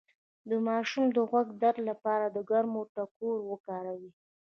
د ماشوم د غوږ د درد لپاره د ګرمو تکو وکاروئ